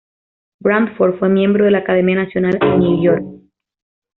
Bradford fue miembro de la Academia Nacional, en New York.